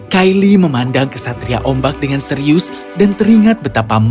kylie memandang kesatria ombak dengan serius dan teringat betapa mata